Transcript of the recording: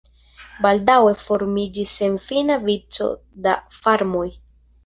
Baldaŭe formiĝis senfina vico da farmoj.